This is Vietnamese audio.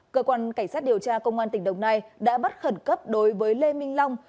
cơ quan cảnh sát điều tra công an tp hcm đã bắt khẩn cấp đối với lê minh long